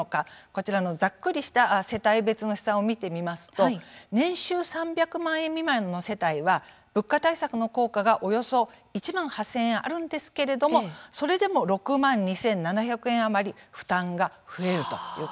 こちらのざっくりした世帯別の試算を見てみますと年収３００万円未満の世帯は物価対策の効果がおよそ１万８０００円あるんですけどもそれでも６万２７００円余り負担が増えるということなんです。